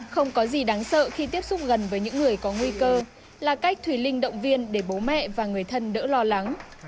không có gì đáng sợ khi tiếp xúc gần với những người có nguy cơ là cách thùy linh động viên để bố mẹ và người thân đỡ lo lắng